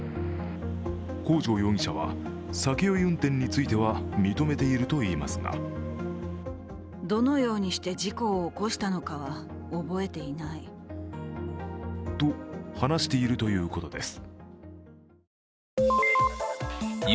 北條容疑者は酒酔い運転については認めているといいますがと、話しているということです